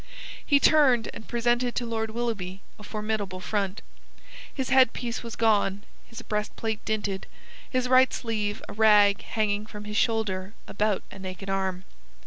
He turned, and presented to Lord Willoughby a formidable front. His head piece was gone, his breastplate dinted, his right sleeve a rag hanging from his shoulder about a naked arm.